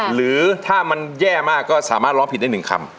หรือถ้ามันแย่มากก็สามารถร้องผิดได้๑คำ